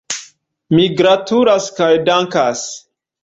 Mi gratulas kaj dankas.